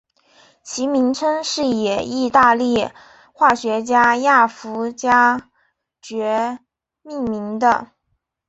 其名称是以义大利化学家亚佛加厥命名的。